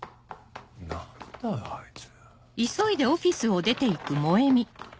何だよあいつ。